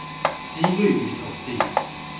機率與統計